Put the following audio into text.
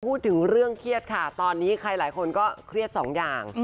พูดถึงเรื่องเครียดค่ะตอนนี้ใครหลายคนก็เครียดสองอย่าง